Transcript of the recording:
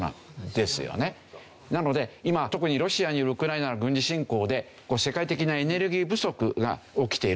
なので今特にロシアによるウクライナの軍事侵攻で世界的なエネルギー不足が起きている。